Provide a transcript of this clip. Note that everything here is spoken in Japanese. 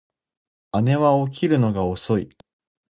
姉は起きるのが遅い